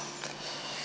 sampai jumpa lagi